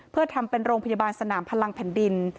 เพื่อทำเป็นโรงพยาบาลสนามพลังแผ่นดิน